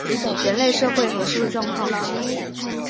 人类生活和社会状况